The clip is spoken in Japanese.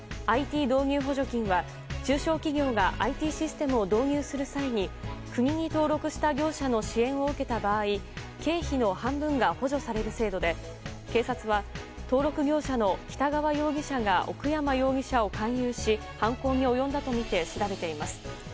ＩＴ導入補助金は、中小企業がＩＴシステムを導入する際に国に登録した業者の支援を受けた場合経費の半分が補助される制度で警察は登録業者の北川容疑者が奥山容疑者を勧誘し犯行に及んだとみて調べています。